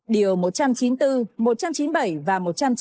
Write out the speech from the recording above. điều một trăm chín mươi bốn một trăm chín mươi bảy và một trăm chín mươi